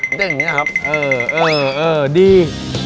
เต้นอย่างนี้นะครับเออดี